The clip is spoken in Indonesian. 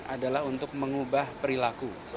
adalah untuk mengubah perilaku